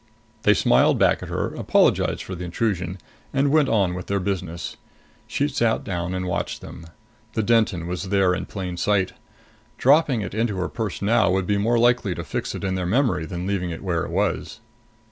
They smiled back at her, apologized for the intrusion and went on with their business. She sat down and watched them. The Denton was there in plain sight. Dropping it into her purse now would be more likely to fix it in their memory than leaving it where it was.